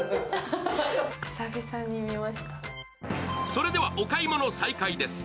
それではお買い物再開です。